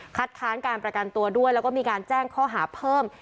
ค้านการประกันตัวด้วยแล้วก็มีการแจ้งข้อหาเพิ่ม